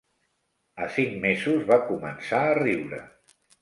A cinc mesos va començar a riure